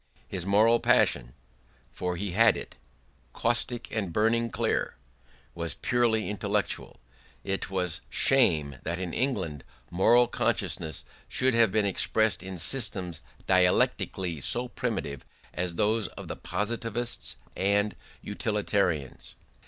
His moral passion for he had it, caustic and burning clear was purely intellectual: it was shame that in England the moral consciousness should have been expressed in systems dialectically so primitive as those of the positivists and utilitarians.